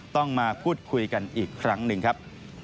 ต้องมาพูดคุยกันอีกครั้งหนึ่งครับ